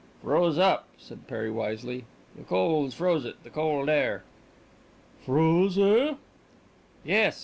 "Froze up," said Perry wisely. "The cold froze it. The cold air." "Froze, eh?" "Yes.